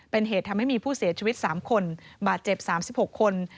เป็นเหตุทำให้มีผู้เสียชีวิต๓คนบาดเจ็บ๓๖คน